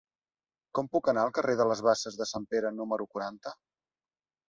Com puc anar al carrer de les Basses de Sant Pere número quaranta?